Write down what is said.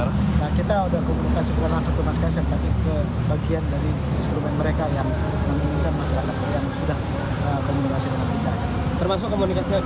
kita udah komunikasi dengan mas kaisang tapi ke bagian dari instrumen mereka yang memiliki masyarakat yang sudah komunikasi dengan kita